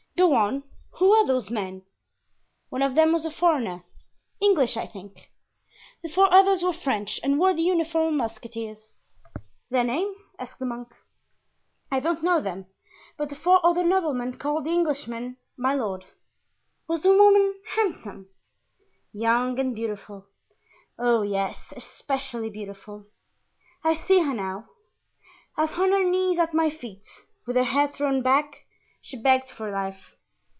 "Go on; who were those men?" "One of them was a foreigner, English, I think. The four others were French and wore the uniform of musketeers." "Their names?" asked the monk. "I don't know them, but the four other noblemen called the Englishman 'my lord.'" "Was the woman handsome?" "Young and beautiful. Oh, yes, especially beautiful. I see her now, as on her knees at my feet, with her head thrown back, she begged for life.